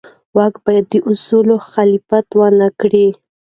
واک باید د اصولو خلاف ونه کارول شي.